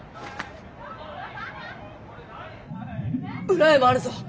裏へ回るぞ。